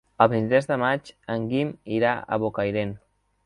El vint-i-tres de maig en Guim irà a Bocairent.